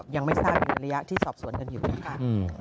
ยังไม่ทราบในระยะที่สอบสวนกันอยู่นะคะ